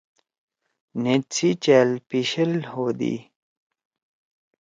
نھید سی چأل پیِشل ہودی۔